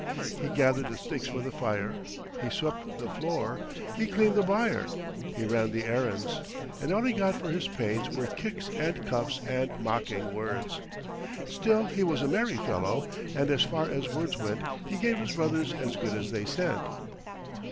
He gathered the sticks for the fire, he swept the floor, he cleaned the byre, he ran the errands, and all he got for his pains were kicks and cuffs and mocking words. Still he was a merry fellow, and as far as words went he gave his brothers as good as they sent.